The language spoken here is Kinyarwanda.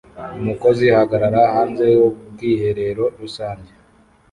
Umukozi ahagarara hanze y'ubwiherero rusange